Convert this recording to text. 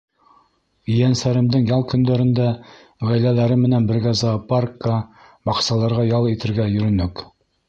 Ейәнсәремдең ял көндәрендә ғаиләләре менән бергә зоопаркка, баҡсаларға ял итергә йөрөнөк.